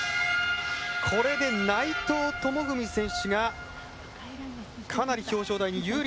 これで内藤智文選手がかなり表彰台に有利な。